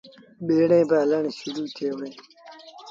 ٻيٚڙيٚن هلڻ شرو ٿئي وُهڙيٚن۔